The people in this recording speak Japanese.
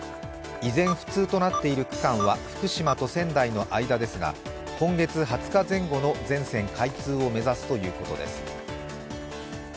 依然不通となっている区間は福島と仙台の間ですが今月２０日前後の全線開通を目指すということです。